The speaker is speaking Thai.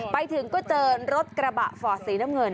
ไปถึงก็เจอรถกระบะฟอร์ดสีน้ำเงิน